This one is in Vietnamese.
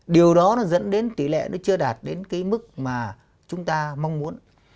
điều đó dẫn đến tỷ lệ chưa đạt đến mức mà chúng ta mong muốn